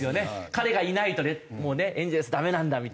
彼がいないともうねエンゼルスダメなんだみたいな。